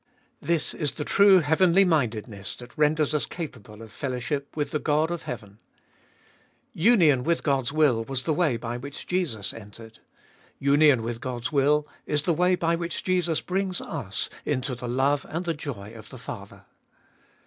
This is the true heavenly mindedness that renders us capable of fellow ship with the God of heaven. Union with God's will was the Dolfest of Bll 277 way by which Jesus entered. Union with God's will is the way by which Jesus brings us in to the love and the joy of the Father.